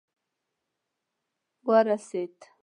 ورسېد.